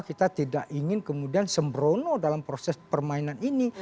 kita tidak ingin kemudian sembrono dalam proses permainan ini